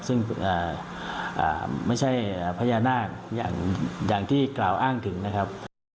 ซึ่งไม่ใช่พญานาคอย่างที่กล่าวอ้างถึงนะครับ